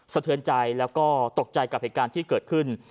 สะเทือนใจแล้วก็ตกใจกับเหตุการณ์ที่เกิดขึ้น